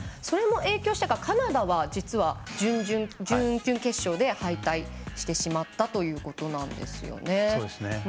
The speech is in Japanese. それも影響してかカナダは、実は準々決勝で敗退してしまったということです。